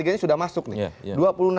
lima tiga nya sudah masuk nih